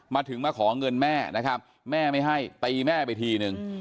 มาถึงมาขอเงินแม่นะครับแม่ไม่ให้ตีแม่ไปทีนึง